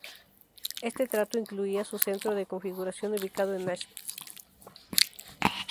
Este trato incluía su centro de configuración ubicado en Nashville.